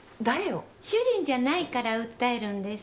主人じゃないから訴えるんです。